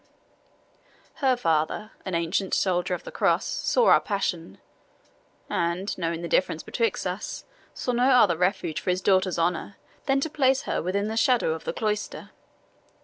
Her father, an ancient soldier of the Cross, saw our passion, and knowing the difference betwixt us, saw no other refuge for his daughter's honour than to place her within the shadow of the cloister.